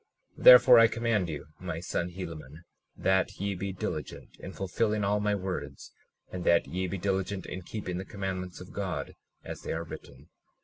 37:20 Therefore I command you, my son Helaman, that ye be diligent in fulfilling all my words, and that ye be diligent in keeping the commandments of God as they are written.